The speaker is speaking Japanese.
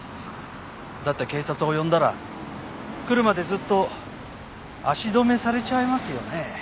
だって警察を呼んだら来るまでずっと足止めされちゃいますよね。